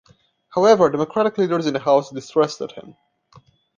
However Democratic leaders in the House distrusted him.